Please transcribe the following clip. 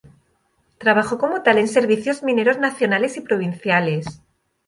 Trabajó como tal en servicios mineros nacionales y provinciales.